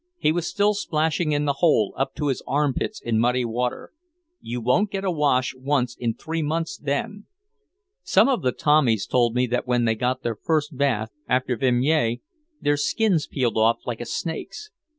He was still splashing in the hole, up to his armpits in muddy water. "You won't get a wash once in three months then. Some of the Tommies told me that when they got their first bath after Vimy, their skins peeled off like a snake's.